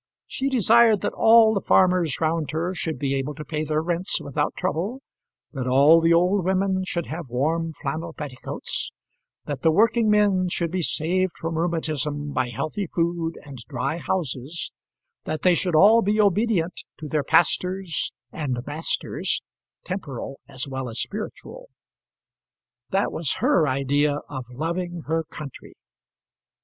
She desired that all the farmers round her should be able to pay their rents without trouble, that all the old women should have warm flannel petticoats, that the working men should be saved from rheumatism by healthy food and dry houses, that they should all be obedient to their pastors and masters temporal as well as spiritual. That was her idea of loving her country.